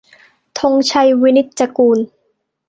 - ธงชัย วินิจจะกูล